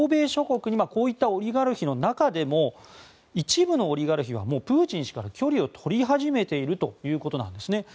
こういったオリガルヒの中でも一部のオリガルヒはもうプーチン氏から距離を取り始めているということです。